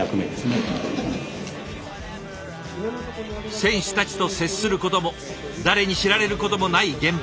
選手たちと接することも誰に知られることもない現場。